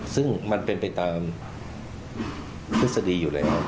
ซึ่งมันเป็นไปตามทฤษฎีอยู่แล้ว